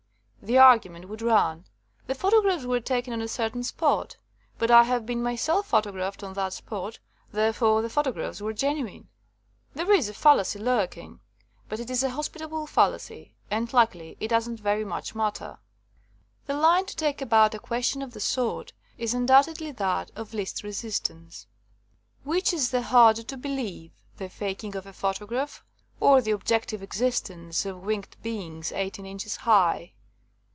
The argument would run : The photographs were taken on a certain spot; but I have been myself photographed on that spot; therefore the photographs were genuine. 85 THE COMING OF THE FAIRIES There is a fallacy lurking, but it is a hos pitable fallacy; and luckily it doesn't very much matter. *'The line to take about a question of the sort is undoubtedly that of least resistance. Which is the harder of belief, the faking of a photograph or the objective existence of winged beings eighteen inches high?